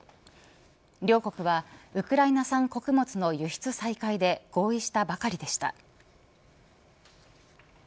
両国はウクライナ産穀物の輸出再開で合意したばかりでした。